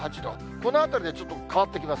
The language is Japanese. このあたりでちょっと変わってきます。